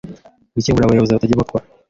gukebura abayobozi batajya bakora